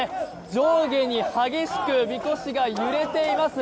上下に激しくみこしが揺れています。